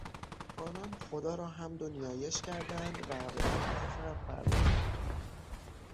آنان خدا را حمد و نیایش کردند و به خدمت خلق پرداختند.